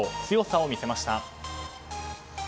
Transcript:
強さを見せました。